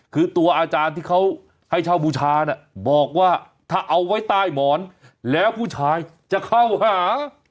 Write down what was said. คือตัวอาจารย์ที่เขาให้เช่าบูชาน่ะบอกว่าถ้าเอาไว้ใต้หมอนแล้วผู้ชายจะเข้าหา